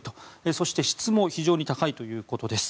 そして、質も非常に高いということです。